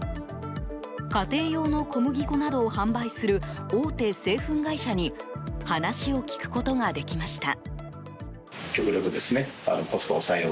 家庭用の小麦粉などを販売する大手製粉会社に話を聞くことができました。